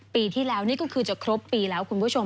ปีที่แล้วนี่ก็คือจะครบปีแล้วคุณผู้ชม